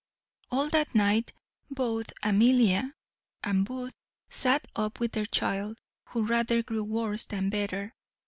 All that night both Amelia and Booth sat up with their child, who rather grew worse than better.